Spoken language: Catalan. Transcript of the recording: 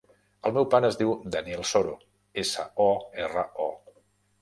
El meu pare es diu Daniel Soro: essa, o, erra, o.